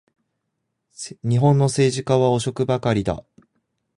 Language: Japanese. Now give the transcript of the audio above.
日本の政治家は汚職ばかりだ